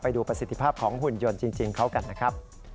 ดูประสิทธิภาพของหุ่นยนต์จริงเขากันนะครับ